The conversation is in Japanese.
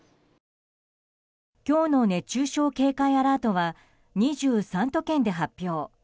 今日の熱中症警戒アラートは２３都県で発表。